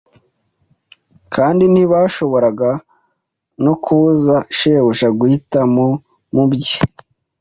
kandi ntibashoboraga no kubuza shebuja guhitamo mu bye.